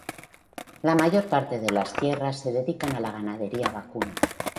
La mayor parte de las tierras se dedican a la ganadería vacuna.